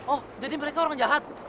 oh jadi mereka orang jahat